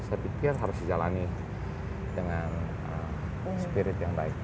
saya pikir harus dijalani dengan spirit yang baik